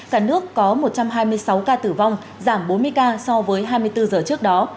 cả nước có một trăm hai mươi sáu ca tử vong giảm bốn mươi ca so với hai mươi bốn giờ trước đó